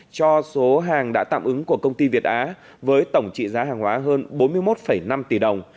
cho số hàng đã tạm ứng của công ty việt á với tổng trị giá hàng hóa hơn bốn mươi một năm tỷ đồng